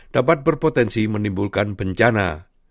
dapat berpotensi menimbulkan bencana